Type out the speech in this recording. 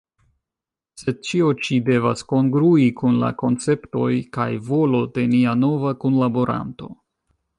Sed ĉio ĉi devas kongrui kun la konceptoj kaj volo de nia nova kunlaboranto.